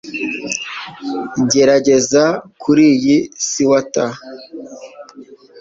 Gerageza kuriyi swater